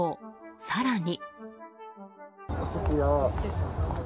更に。